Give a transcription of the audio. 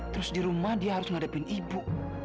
terus di rumah dia harus ngadepin ibu